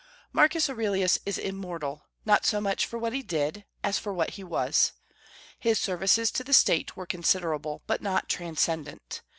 Marcus Aurelius is immortal, not so much for what he did as for what he was. His services to the State were considerable, but not transcendent.